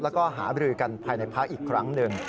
แล้วก็หาบรือกันภายในพักอีกครั้งหนึ่ง